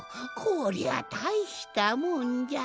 こりゃたいしたもんじゃ。